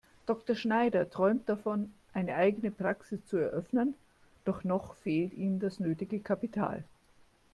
Dr. Schneider träumt davon, eine eigene Praxis zu eröffnen, doch noch fehlt ihm das nötige Kapital.